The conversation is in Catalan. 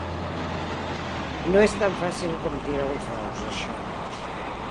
No és tan fàcil com tirar uns daus, això.